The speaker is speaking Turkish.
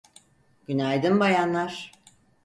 Günaydın bayanlar.